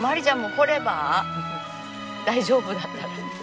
大丈夫だったら。